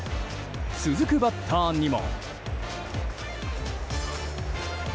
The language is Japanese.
続くバッターにも。